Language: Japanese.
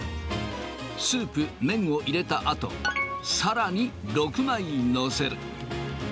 スープ、麺を入れたあと、さらに６枚載せる。